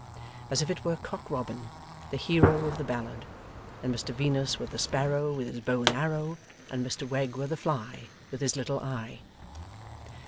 As if it were Cock Robin, the hero of the ballad, and Mr Venus were the sparrow with his bow and arrow, and Mr Wegg were the fly with his little eye.